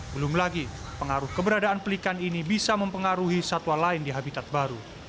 belum lagi pengaruh keberadaan pelikan ini bisa mempengaruhi satwa lain di habitat baru